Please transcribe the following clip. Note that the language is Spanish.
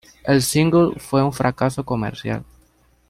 El single fue un fracaso comercial.